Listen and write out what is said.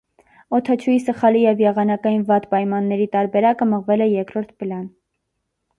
Օդաչուի սխալի և եղանակային վատ պայմանների տարբերակը մղվել է երկրորդ պլան։